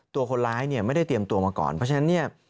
ตัวคนร้ายเนี่ยไม่ได้เตรียมตัวมาก่อนเพราะฉะนั้นเนี่ย